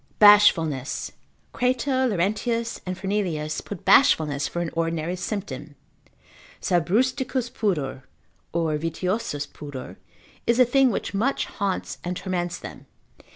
Bashfulness.] Crato, Laurentius, and Fernelius, put bashfulness for an ordinary symptom, sabrusticus pudor, or vitiosus pudor, is a thing which much haunts and torments them.